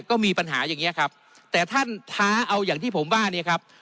ก็มีปัญหาอย่างเงี้ครับแต่ท่านท้าเอาอย่างที่ผมว่าเนี่ยครับ